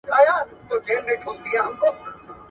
د روایتي پیلونو نه استفاده د نوې څېړنو لپاره مؤثره لاره ده.